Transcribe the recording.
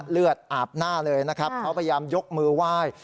เลือดอาบหน้าเลยนะครับเขาพยายามยกมือไหว้